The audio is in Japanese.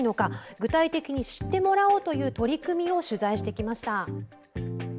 具体的に知ってもらおうという取り組みを取材してきました。